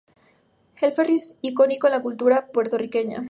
El ferry es un icono en la cultura puertorriqueña.